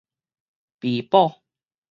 被捕